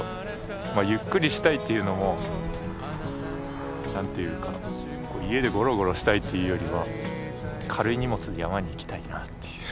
まあゆっくりしたいというのも何ていうか家でゴロゴロしたいというよりは軽い荷物で山に行きたいなっていう。